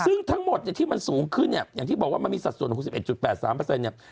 ซึ่งทั้งหมดเนี่ยที่มันสูงขึ้นเนี่ยอย่างที่บอกว่ามันมีสัดส่วน๖๑๘๓เนี่ย